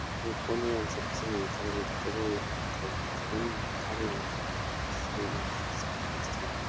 Se opone al servicio militar obligatorio y al intervencionismo militar en naciones extranjeras.